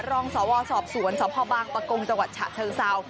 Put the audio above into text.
รองสวสอบสวนสวบภาคบางประกงจังหวัดฉะเทิงเศร้า